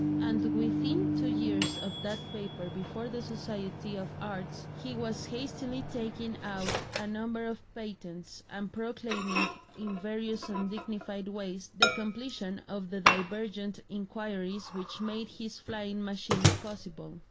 And within two years of that paper before the Society of Arts he was hastily taking out a number of patents and proclaiming in various undignified ways the completion of the divergent inquiries which made his flying machine possible.